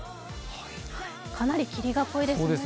かなり霧が濃いですね。